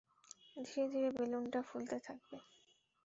ধীরে ধীরে বেলুনটা ফুলতে থাকবে।